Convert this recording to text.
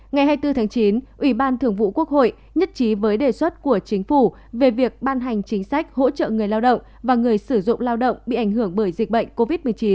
ngày hai mươi bốn tháng chín ủy ban thường vụ quốc hội nhất trí với đề xuất của chính phủ về việc ban hành chính sách hỗ trợ người lao động và người sử dụng lao động bị ảnh hưởng bởi dịch bệnh covid một mươi chín